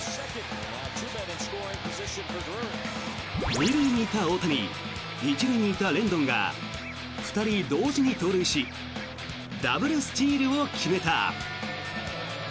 ２塁にいた大谷１塁にいたレンドンが２人同時に盗塁しダブルスチールを決めた。